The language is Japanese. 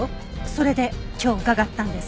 それで今日伺ったんです。